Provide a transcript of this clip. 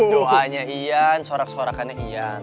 doanya ian sorak sorakannya ian